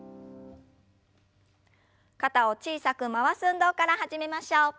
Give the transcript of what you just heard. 肩を小さく回す運動から始めましょう。